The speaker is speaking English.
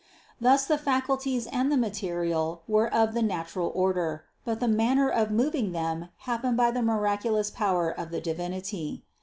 Thus the faculties and the material were of the natural order, but the manner of moving them happened by the miraculous power of the Divinity.